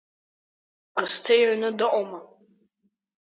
Ҟасҭеи аҩны дыҟоума?